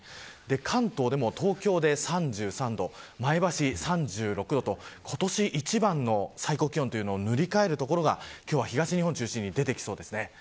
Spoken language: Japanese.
関東でも東京で３３度前橋３６度と今年一番の最高気温というのを塗り替える所が今日は東日本を中心に出てきそうです。